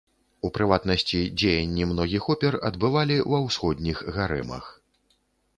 У прыватнасці, дзеянні многіх опер адбывалі ва ўсходніх гарэмах.